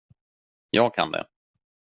Jag kan det.